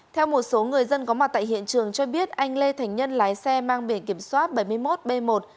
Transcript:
theo một số người dân có mặt tại hiện trường cho biết anh lê thành nhân lái xe mang biển kiểm soát bảy mươi một b một bảy mươi hai nghìn một trăm linh năm